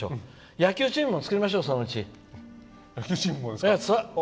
野球チームも作りましょうそのうち。